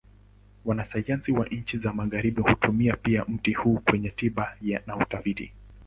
Wanasayansi wa nchi za Magharibi hutumia pia mti huu kwenye tiba na utafiti.